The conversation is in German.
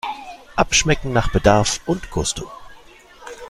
Abschmecken nach Bedarf und Gusto!